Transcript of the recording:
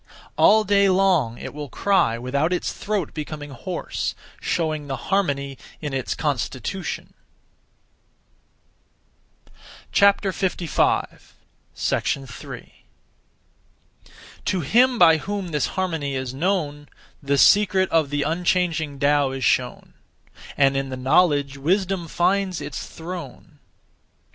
All day long it will cry without its throat becoming hoarse; showing the harmony (in its constitution). 3. To him by whom this harmony is known, (The secret of) the unchanging (Tao) is shown, And in the knowledge wisdom finds its throne.